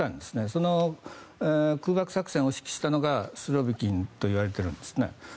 その空爆作戦を指揮したのがスロビキンといわれているんです。